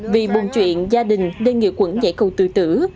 vì buồn chuyện gia đình đê nghị quẩn nhảy cầu tự tử